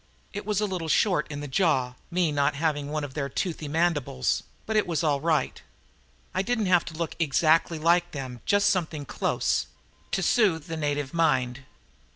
It was a little short in the jaw, me not having one of their toothy mandibles, but that was all right. I didn't have to look exactly like them, just something close, to soothe the native mind.